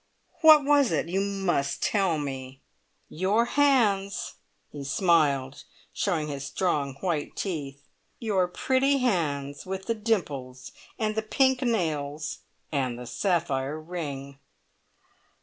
"What was it? You must tell me!" "Your hands!" He smiled, showing his strong, white teeth. "Your pretty hands, with the dimples, and the pink nails, and the sapphire ring!"